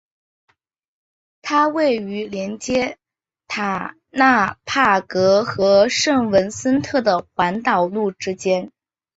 它位于连接塔纳帕格和圣文森特的环岛路之间。